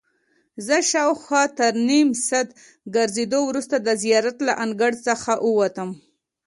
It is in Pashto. زه شاوخوا تر نیم ساعت ګرځېدو وروسته د زیارت له انګړ څخه ووتم.